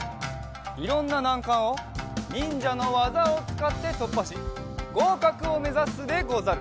いろんななんかんをにんじゃのわざをつかってとっぱしごうかくをめざすでござる！